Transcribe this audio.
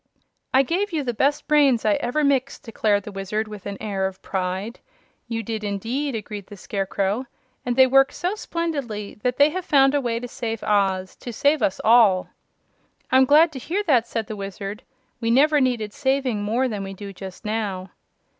"I gave you the best brains I ever mixed," declared the Wizard, with an air of pride. "You did, indeed!" agreed the Scarecrow, "and they work so splendidly that they have found a way to save Oz to save us all!" "I'm glad to hear that," said the Wizard. "We never needed saving more than we do just now."